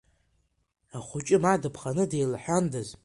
Ахәыҷы ма дыԥханы деилаҳәанда!